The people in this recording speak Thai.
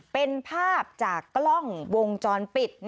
เป็นภาพจากกล้องวงจรปิด